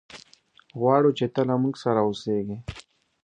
غواړو چې ته له موږ سره اوسېږي.